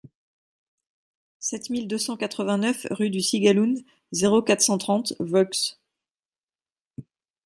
sept mille deux cent quatre-vingt-neuf rue du Cigaloun, zéro quatre, cent trente Volx